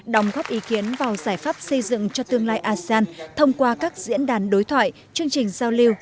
đồng góp ý kiến vào giải pháp xây dựng cho tương lai asean thông qua các diễn đàn đối thoại chương trình giao lưu